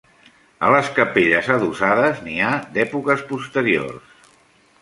A les capelles adossades n'hi ha d'èpoques posteriors.